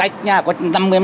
chú đi ra đường